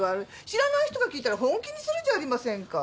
知らない人が聞いたら本気にするじゃありませんか。